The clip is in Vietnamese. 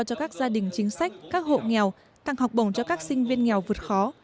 cho các gia đình chính sách các hộ nghèo tặng học bổng cho các sinh viên nghèo vượt khó